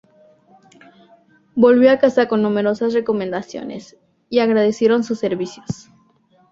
Volvió a casa con numerosas recomendaciones, y agradecieron sus servicios.